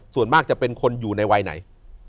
ส่วนมากจะเป็นคนอยู่ในวัยไหน